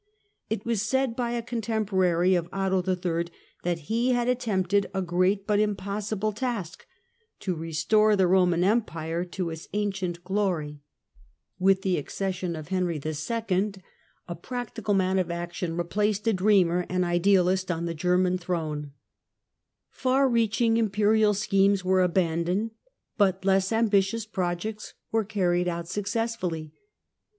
It was said by a contemporary of Otto III. that he had attempted a great but impossible Kk — to restore the Roman Empire to its ancient glory. 25 26 THE CENTRAL PERIOD OF THE MIDDLE AGE With the accession of Henry 11. a practical man of action replaced a dreamer and idealist on the German throne. Far reaching imperial schemes were abandoned, but less ambitious projects were carried out successfully.